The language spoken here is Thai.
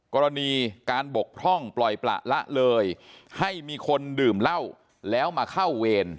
กรณีการบกพร่องปล่อยประละเลยให้มีคนดื่มเหล้าแล้วมาเข้าเวร